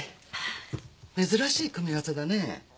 珍しい組み合わせだね。